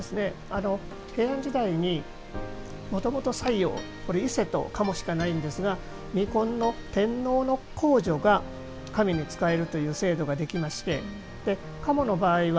平安時代にもともと斎王伊勢と賀茂しかないんですが未婚の天皇の皇女が神に仕えるという制度ができまして賀茂の場合は